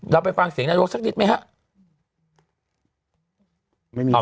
เราไปฟังเสียงนายกสักนิดไหมครับ